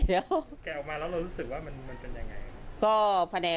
แกะออกมาแล้วเรารู้สึกว่ามันเป็นอย่างไร